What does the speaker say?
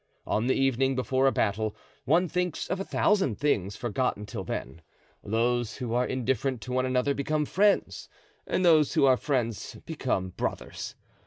On the evening before a battle one thinks of a thousand things forgotten till then; those who are indifferent to one another become friends and those who are friends become brothers.